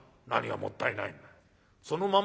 「何がもったいないの？